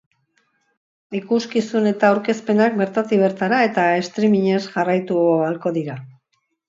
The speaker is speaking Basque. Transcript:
Ikuskizun eta aurkezpenak bertatik bertara eta streamingez jarraitu ahalko dira.